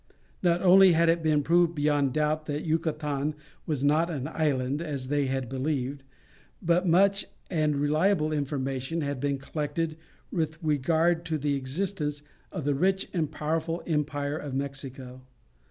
Not only had it been proved beyond doubt that Yucatan was not an island as they had believed, but much and reliable information had been collected with regard to the existence of the rich and powerful empire of Mexico.